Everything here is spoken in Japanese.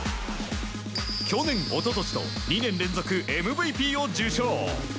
去年、一昨年と２年連続ＭＶＰを受賞。